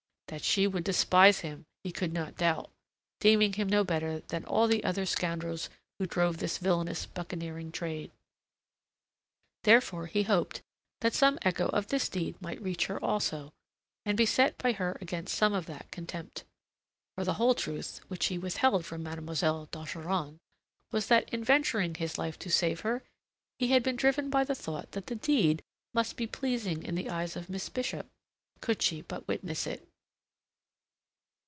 That she would despise him, he could not doubt, deeming him no better than all the other scoundrels who drove this villainous buccaneering trade. Therefore he hoped that some echo of this deed might reach her also, and be set by her against some of that contempt. For the whole truth, which he withheld from Mademoiselle d'Ogeron, was that in venturing his life to save her, he had been driven by the thought that the deed must be pleasing in the eyes of Miss Bishop could she but witness it.